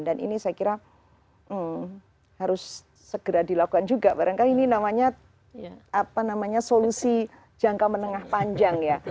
dan ini saya kira harus segera dilakukan juga barangkali ini namanya solusi jangka menengah panjang ya